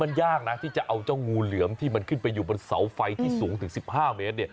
มันยากนะที่จะเอาเจ้างูเหลือมที่มันขึ้นไปอยู่บนเสาไฟที่สูงถึง๑๕เมตร